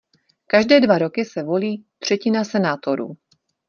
Každé dva roky se volí třetina senátorů.